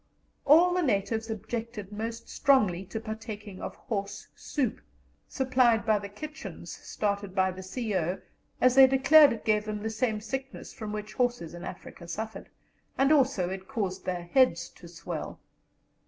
All the natives objected most strongly to partaking of horse soup, supplied by the kitchens, started by the C.O., as they declared it gave them the same sickness from which the horses in Africa suffered, and also that it caused their heads to swell.